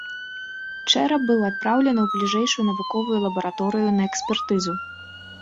Чэрап быў адпраўлены ў бліжэйшую навуковую лабараторыю на экспертызу.